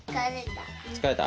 つかれた？